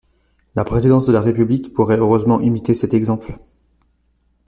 La présidence de la République pourrait heureusement imiter cet exemple.